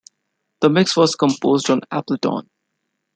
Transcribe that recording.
The mix was composed on Ableton.